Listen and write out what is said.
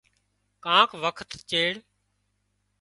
ڪانڪ وکت چيڙ